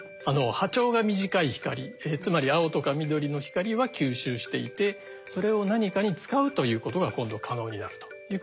波長が短い光つまり青とか緑の光は吸収していてそれを何かに使うということが今度可能になるということですね。